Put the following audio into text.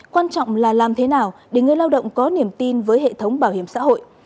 quan trọng là làm thế nào để người lao động có niềm tin với hệ thống bảo hiểm xã hội